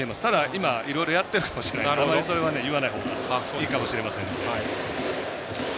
今はいろいろやってるかもしれないのであんまりそれは言わない方がいいかもしれませんので。